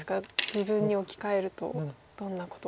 自分に置き換えるとどんなことを。